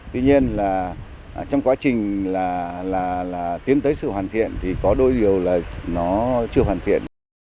tuy nhiên là trong quá trình là tiến tới sự hoàn thiện thì có đôi điều là nó chưa hoàn thiện